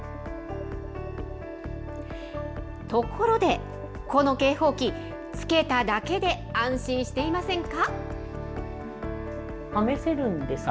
ところで、この警報機、つけただけで安心していませんか？